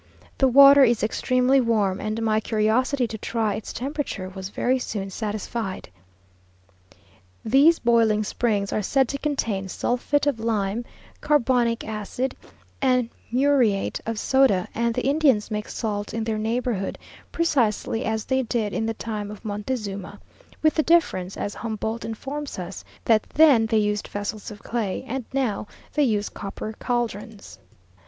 The water is extremely warm, and my curiosity to try its temperature was very soon satisfied. These boiling springs are said to contain sulphate of lime, carbonic acid, and muriate of soda, and the Indians make salt in their neighbourhood, precisely as they did in the time of Montezuma, with the difference, as Humboldt informs us, that then they used vessels of clay, and now they use copper caldrons.